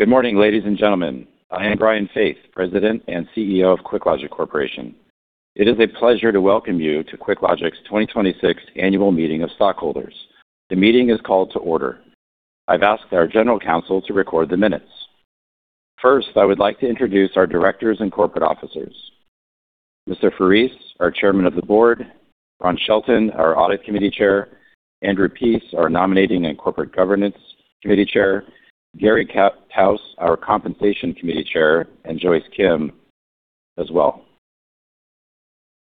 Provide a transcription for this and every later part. Good morning, ladies and gentlemen. I am Brian Faith, President and CEO of QuickLogic Corporation. It is a pleasure to welcome you to QuickLogic's 2026 Annual Meeting of Stockholders. The meeting is called to order. I've asked our General Counsel to record the minutes. First, I would like to introduce our Directors and Corporate Officers. Mr. Farese, our Chairman of the Board, Ron Shelton, our Audit Committee Chair, Andrew Pease, our Nominating and Corporate Governance Committee Chair, Gary Tauss, our Compensation Committee Chair, and Joyce Kim as well.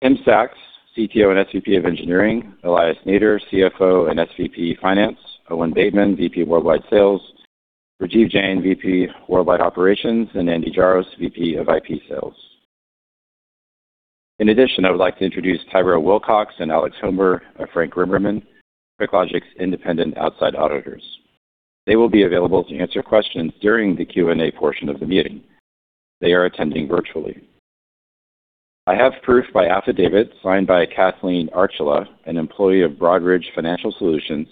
Tim Saxe, CTO and SVP of Engineering, Elias Nader, CFO and SVP Finance, Owen Bateman, VP Worldwide Sales, Rajiv Jain, VP Worldwide Operations, and Andy Jaros, VP of IP Sales. In addition, I would like to introduce Tyrel Wilcox and Alex Homer of Frank Rimerman, QuickLogic's independent outside auditors. They will be available to answer questions during the Q&A portion of the meeting. They are attending virtually. I have proof by affidavit, signed by Kathleen Archula, an employee of Broadridge Financial Solutions,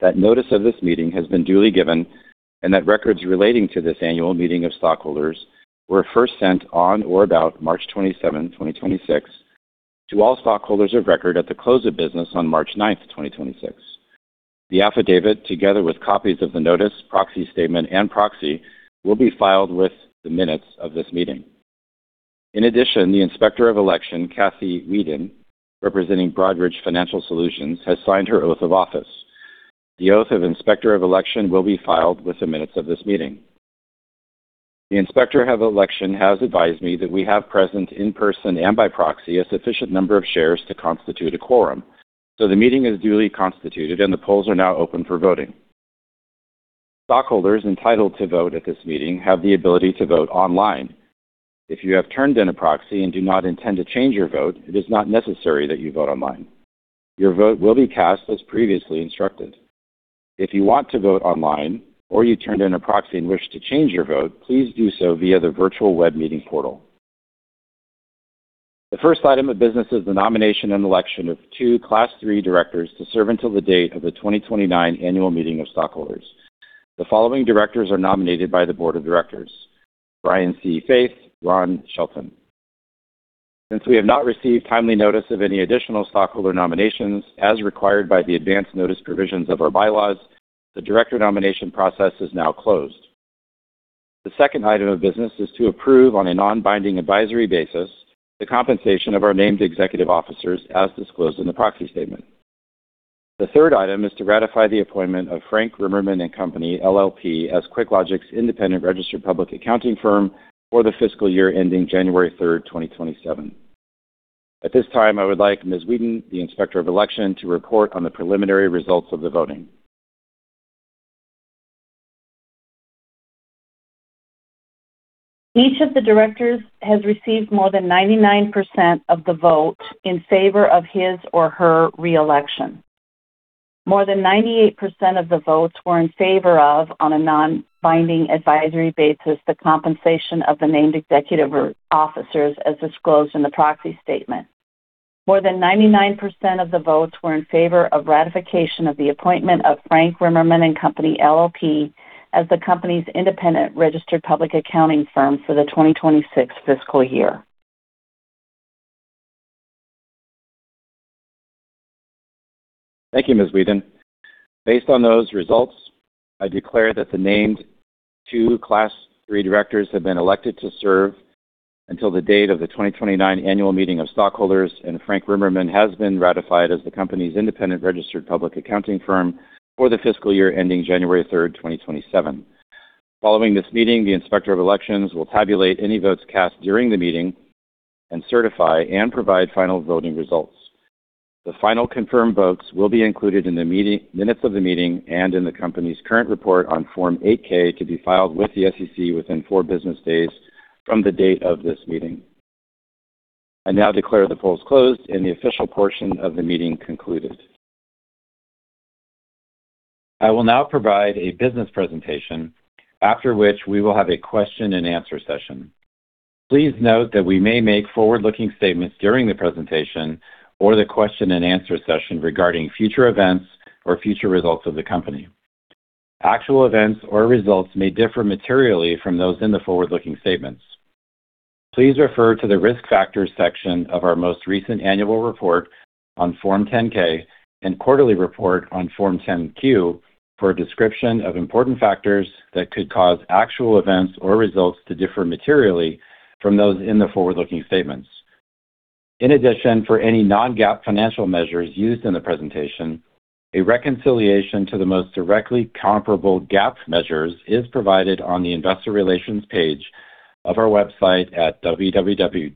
that notice of this meeting has been duly given and that records relating to this annual meeting of stockholders were first sent on or about March 27, 2026 to all stockholders of record at the close of business on March 9th, 2026. The affidavit, together with copies of the notice, proxy statement, and proxy, will be filed with the minutes of this meeting. In addition, the Inspector of Election, Cathy Weeden, representing Broadridge Financial Solutions, has signed her oath of office. The Oath of Inspector of Election will be filed with the minutes of this meeting. The Inspector of Election has advised me that we have present in person and by proxy a sufficient number of shares to constitute a quorum. The meeting is duly constituted and the polls are now open for voting. Stockholders entitled to vote at this meeting have the ability to vote online. If you have turned in a proxy and do not intend to change your vote, it is not necessary that you vote online. Your vote will be cast as previously instructed. If you want to vote online or you turned in a proxy and wish to change your vote, please do so via the virtual web meeting portal. The first item of business is the nomination and election of two class three directors to serve until the date of the 2029 Annual Meeting of Stockholders. The following directors are nominated by the Board of Directors: Brian C. Faith, Ron Shelton. Since we have not received timely notice of any additional stockholder nominations as required by the advance notice provisions of our bylaws, the director nomination process is now closed. The second item of business is to approve on a non-binding advisory basis the compensation of our named executive officers as disclosed in the proxy statement. The third item is to ratify the appointment of Frank, Rimerman + Co. LLP, as QuickLogic's independent registered public accounting firm for the fiscal year ending January 3rd, 2027. At this time, I would like Ms. Weeden, the Inspector of Election, to report on the preliminary results of the voting. Each of the directors has received more than 99% of the vote in favor of his or her re-election. More than 98% of the votes were in favor of, on a non-binding advisory basis, the compensation of the named executive officers as disclosed in the proxy statement. More than 99% of the votes were in favor of ratification of the appointment of Frank, Rimerman + Co. LLP, as the company's independent registered public accounting firm for the 2026 fiscal year. Thank you, Ms. Weeden. Based on those results, I declare that the named two class three directors have been elected to serve until the date of the 2029 Annual Meeting of Stockholders, and Frank Rimerman has been ratified as the company's independent registered public accounting firm for the fiscal year ending January 3rd, 2027. Following this meeting, the Inspector of Elections will tabulate any votes cast during the meeting and certify and provide final voting results. The final confirmed votes will be included in the minutes of the meeting and in the company's current report on Form 8-K to be filed with the SEC within four business days from the date of this meeting. I now declare the polls closed and the official portion of the meeting concluded. I will now provide a business presentation, after which we will have a question and answer session. Please note that we may make forward-looking statements during the presentation or the question and answer session regarding future events or future results of the company. Actual events or results may differ materially from those in the forward-looking statements. Please refer to the Risk Factors section of our most recent annual report on Form 10-K and quarterly report on Form 10-Q for a description of important factors that could cause actual events or results to differ materially from those in the forward-looking statements. In addition, for any non-GAAP financial measures used in the presentation, a reconciliation to the most directly comparable GAAP measures is provided on the investor relations page of our website at www.quicklogic.com.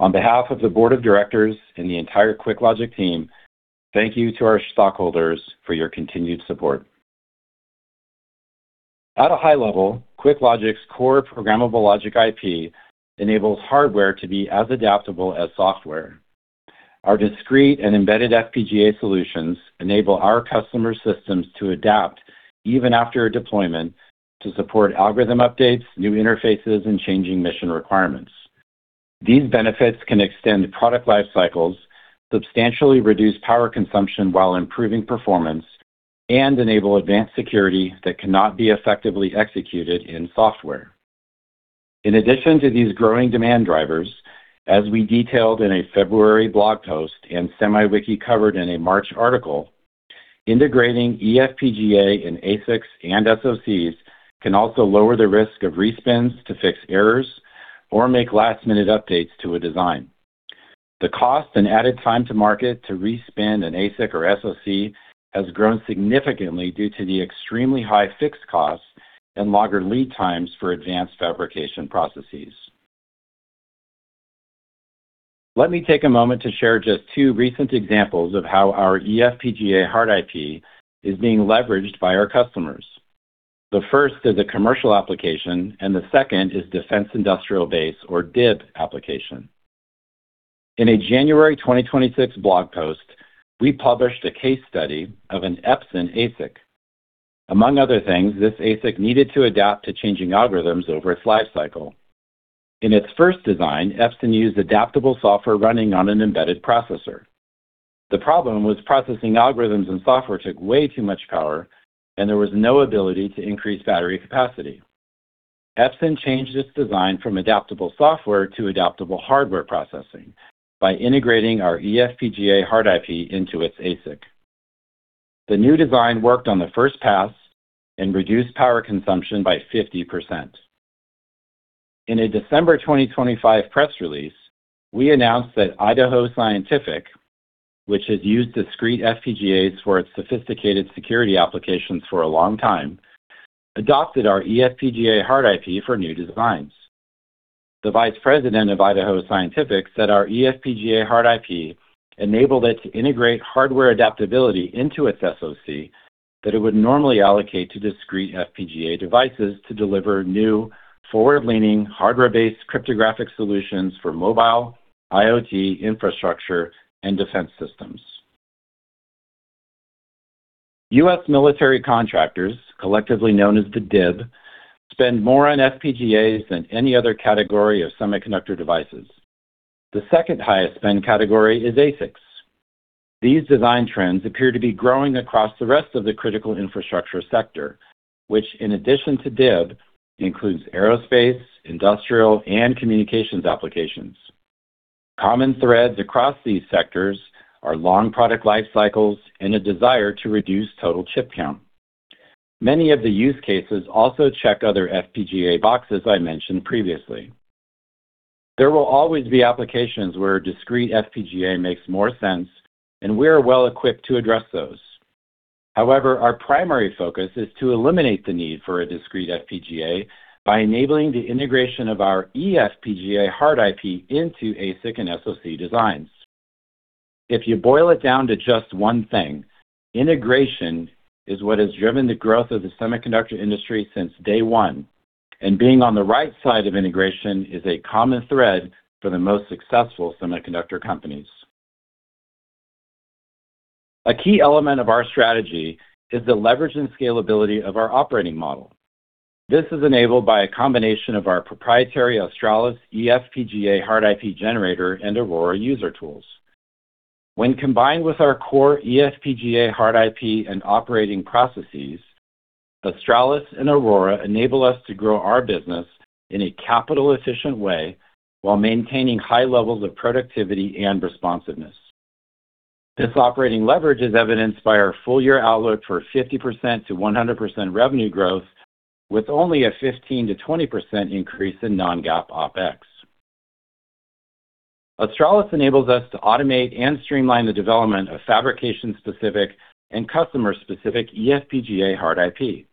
On behalf of the board of directors and the entire QuickLogic team, thank you to our stockholders for your continued support. At a high level, QuickLogic's core programmable logic IP enables hardware to be as adaptable as software. Our discrete and embedded FPGA solutions enable our customer systems to adapt even after a deployment to support algorithm updates, new interfaces, and changing mission requirements. These benefits can extend product life cycles, substantially reduce power consumption while improving performance, and enable advanced security that cannot be effectively executed in software. In addition to these growing demand drivers, as we detailed in a February blog post and SemiWiki covered in a March article, integrating eFPGA in ASICs and SoCs can also lower the risk of respins to fix errors or make last-minute updates to a design. The cost and added time to market to respin an ASIC or SoC has grown significantly due to the extremely high fixed costs and longer lead times for advanced fabrication processes. Let me take a moment to share just two recent examples of how our eFPGA Hard IP is being leveraged by our customers. The first is a commercial application, and the second is defense industrial base or DIB application. In a January 2026 blog post, we published a case study of an Epson ASIC. Among other things, this ASIC needed to adapt to changing algorithms over its lifecycle. In its first design, Epson used adaptable software running on an embedded processor. The problem was processing algorithms and software took way too much power, and there was no ability to increase battery capacity. Epson changed its design from adaptable software to adaptable hardware processing by integrating our eFPGA Hard IP into its ASIC. The new design worked on the first pass and reduced power consumption by 50%. In a December 2025 press release, we announced that Idaho Scientific, which has used discrete FPGAs for its sophisticated security applications for a long time, adopted our eFPGA Hard IP for new designs. The vice president of Idaho Scientific said our eFPGA Hard IP enabled it to integrate hardware adaptability into its SoC that it would normally allocate to discrete FPGA devices to deliver new forward-leaning hardware-based cryptographic solutions for mobile, IoT, infrastructure, and defense systems. U.S. military contractors, collectively known as the DIB, spend more on FPGAs than any other category of semiconductor devices. The second highest spend category is ASICs. These design trends appear to be growing across the rest of the critical infrastructure sector, which in addition to DIB, includes aerospace, industrial, and communications applications. Common threads across these sectors are long product life cycles and a desire to reduce total chip count. Many of the use cases also check other FPGA boxes I mentioned previously. There will always be applications where a discrete FPGA makes more sense, and we are well equipped to address those. However, our primary focus is to eliminate the need for a discrete FPGA by enabling the integration of our eFPGA Hard IP into ASIC and SoC designs. If you boil it down to just one thing, integration is what has driven the growth of the semiconductor industry since day one, and being on the right side of integration is a common thread for the most successful semiconductor companies. A key element of our strategy is the leverage and scalability of our operating model. This is enabled by a combination of our proprietary Australis eFPGA Hard IP generator and Aurora user tools. When combined with our core eFPGA Hard IP and operating processes, Australis and Aurora enable us to grow our business in a capital-efficient way while maintaining high levels of productivity and responsiveness. This operating leverage is evidenced by our full-year outlook for 50%-100% revenue growth with only a 15%-20% increase in non-GAAP OpEx. Australis enables us to automate and streamline the development of fabrication-specific and customer-specific eFPGA Hard IP.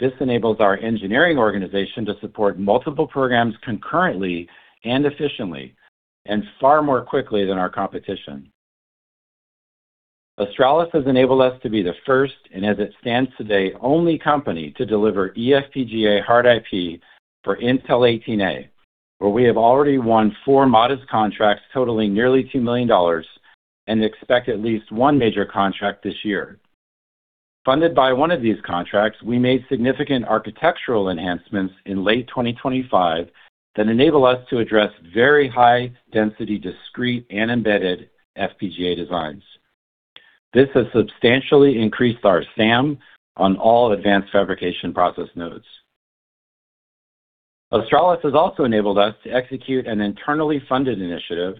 This enables our engineering organization to support multiple programs concurrently and efficiently and far more quickly than our competition. Australis has enabled us to be the first, and as it stands today, only company to deliver eFPGA Hard IP for Intel 18A, where we have already won four modest contracts totaling nearly $2 million and expect at least one major contract this year. Funded by one of these contracts, we made significant architectural enhancements in late 2025 that enable us to address very high-density discrete and embedded FPGA designs. This has substantially increased our SAM on all advanced fabrication process nodes. Australis has also enabled us to execute an internally funded initiative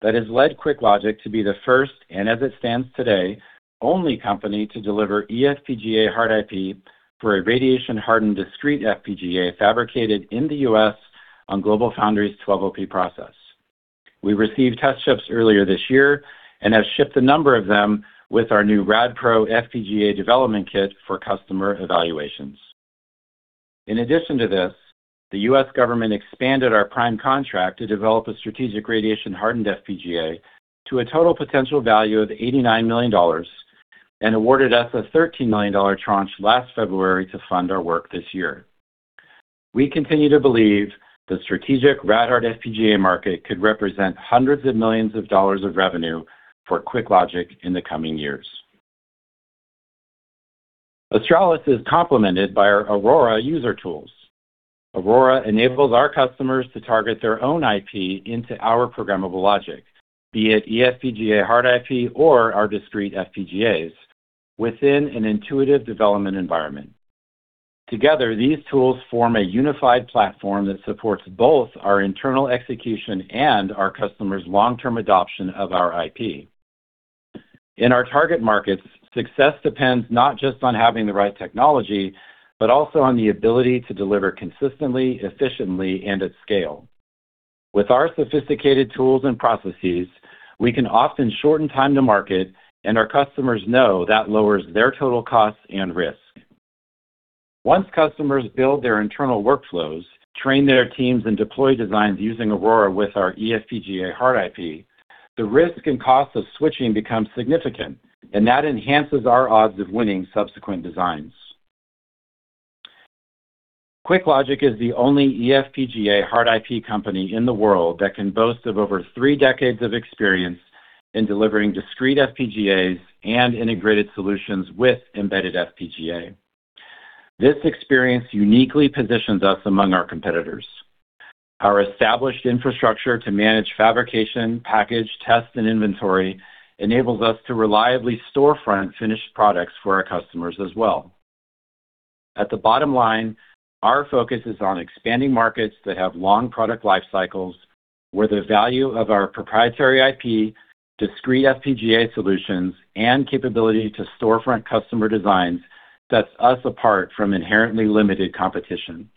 that has led QuickLogic to be the first, and as it stands today, only company to deliver eFPGA Hard IP for a radiation-hardened discrete FPGA fabricated in the U.S. on GlobalFoundries' 12LP process. We received test chips earlier this year and have shipped a number of them with our new RadPro FPGA development kit for customer evaluations. In addition to this, the U.S. government expanded our prime contract to develop a strategic radiation-hardened FPGA to a total potential value of $89 million and awarded us a $13 million tranche last February to fund our work this year. We continue to believe the strategic RadHard FPGA market could represent hundreds of millions of dollars of revenue for QuickLogic in the coming years. Australis is complemented by our Aurora user tools. Aurora enables our customers to target their own IP into our programmable logic, be it eFPGA Hard IP or our discrete FPGAs within an intuitive development environment. Together, these tools form a unified platform that supports both our internal execution and our customers' long-term adoption of our IP. In our target markets, success depends not just on having the right technology, but also on the ability to deliver consistently, efficiently, and at scale. With our sophisticated tools and processes, we can often shorten time to market, and our customers know that lowers their total cost and risk. Once customers build their internal workflows, train their teams, and deploy designs using Aurora with our eFPGA Hard IP, the risk and cost of switching becomes significant, and that enhances our odds of winning subsequent designs. QuickLogic is the only eFPGA Hard IP company in the world that can boast of over three decades of experience in delivering discrete FPGAs and integrated solutions with embedded FPGA. This experience uniquely positions us among our competitors. Our established infrastructure to manage fabrication, package, test, and inventory enables us to reliably storefront finished products for our customers as well. At the bottom line, our focus is on expanding markets that have long product life cycles, where the value of our proprietary IP, discrete FPGA solutions, and capability to storefront customer designs sets us apart from inherently limited competition.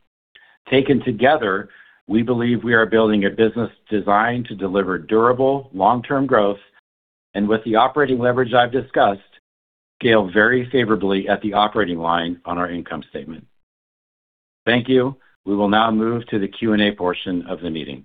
Taken together, we believe we are building a business designed to deliver durable long-term growth and with the operating leverage I've discussed scale very favorably at the operating line on our income statement. Thank you. We will now move to the Q&A portion of the meeting.